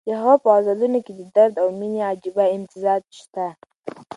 د هغه په غزلونو کې د درد او مېنې عجیبه امتزاج شته.